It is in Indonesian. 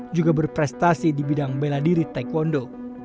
juga berprestasi di bidang bela diri taekwondo